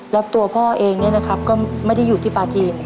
แล้วตัวพ่อเองเนี่ยนะครับก็ไม่ได้อยู่ที่ปลาจีน